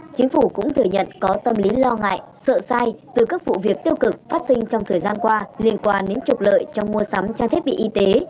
chính phủ cũng thừa nhận có tâm lý lo ngại sợ sai từ các vụ việc tiêu cực phát sinh trong thời gian qua liên quan đến trục lợi trong mua sắm trang thiết bị y tế